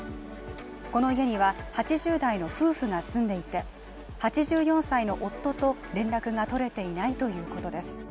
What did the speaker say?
この家には８０代の夫婦が住んでいて、８４歳の夫と連絡が取れていないということです。